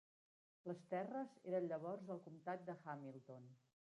Les terres eren llavors al comtat de Hamilton.